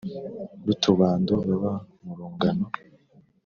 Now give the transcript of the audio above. B’utubando, baba mu rungano